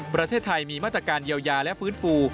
ประเทศไทยมีมาตรการเยียวยาและฟื้นฟู